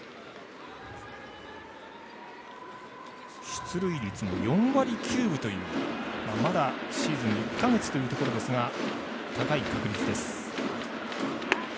出塁率も４割９分というまだシーズン１か月というところですが高い確率です。